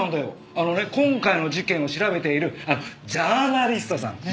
あのね今回の事件を調べているジャーナリストさん。ね？